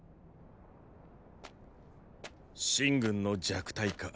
秦軍の弱体化